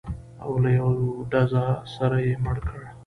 او له یوه ډزه سره یې مړ کړ.